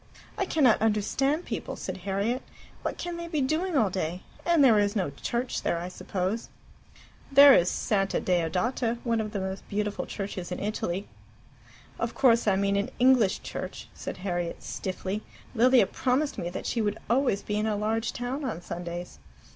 "I cannot understand people," said Harriet. "What can they be doing all day? And there is no church there, I suppose." "There is Santa Deodata, one of the most beautiful churches in Italy." "Of course I mean an English church," said Harriet stiffly. "Lilia promised me that she would always be in a large town on Sundays."